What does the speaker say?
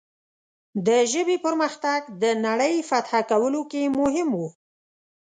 د ژبې پرمختګ د نړۍ فتح کولو کې مهم و.